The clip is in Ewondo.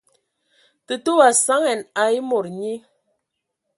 Tətə wa saŋan aaa mod nyi.